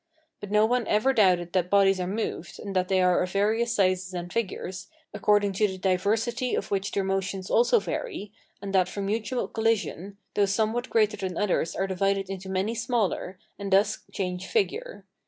But no one ever doubted that bodies are moved, and that they are of various sizes and figures, according to the diversity of which their motions also vary, and that from mutual collision those somewhat greater than others are divided into many smaller, and thus change figure.